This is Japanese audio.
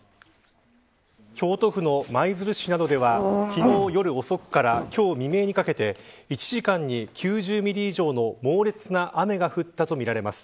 京都府の舞鶴市などでは昨日夜遅くから今日未明にかけて１時間に９０ミリ以上の猛烈な雨が降ったとみられます。